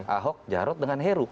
ahok jarod dengan heru